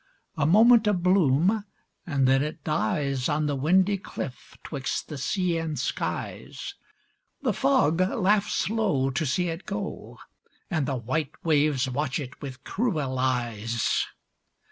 A moment of bloom, and then it dies On the windy cliff 'twixt the sea and skies. The fog laughs low to see it go, And the white waves watch it with cruel eyes.